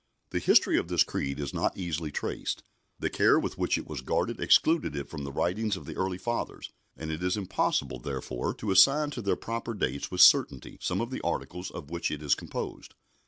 The history of this Creed is not easily traced. The care with which it was guarded excluded it from the writings of the early fathers, and it is impossible, therefore, to assign to their proper dates, with certainty, some of the articles of which it is composed.